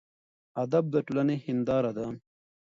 ادب د ټولنې هینداره ده.